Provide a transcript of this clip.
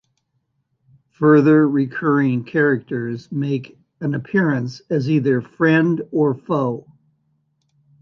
Further recurring characters make an appearance as either friend or foe.